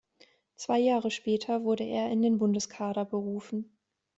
Zwei Jahre später wurde er in den Bundeskader berufen.